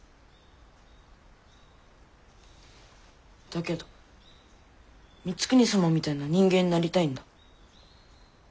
だけど光圀様みたいな人間になりたいんだ。